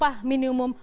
untuk mengurangi ekonomi